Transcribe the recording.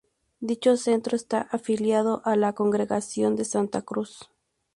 Dicho centro está afiliado a la Congregación de Santa Cruz.